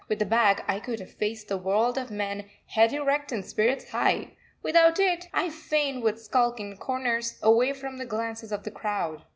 With the bag I could have faced the world of men head erect and spirits high; without it, I fain would skulk in corners, away from the glances of the crowd.